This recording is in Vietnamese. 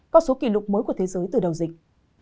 con số kỷ lục mới của thế giới từ đầu dịch